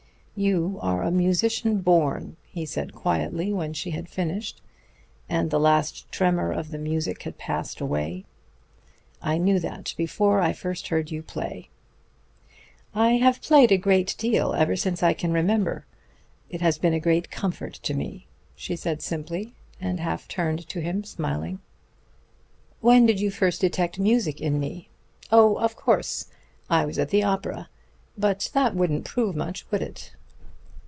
"You are a musician born," he said quietly when she had finished, and the last tremor of the music had passed away. "I knew that before I first heard you play." "I have played a great deal ever since I can remember. It has been a great comfort to me," she said simply, and half turned to him smiling. "When did you first detect music in me? Oh, of course! I was at the opera. But that wouldn't prove much, would it?"